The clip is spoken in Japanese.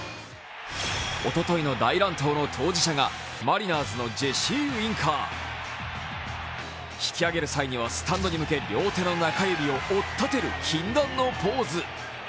おとといの大乱闘の当事者がマリナーズのジェシー・ウインカー引き上げる際にはスタンドに向け両手の中指をおっ立てる禁断のポーズ。